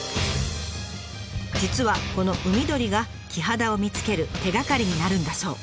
実はこの海鳥がキハダを見つける手がかりになるんだそう。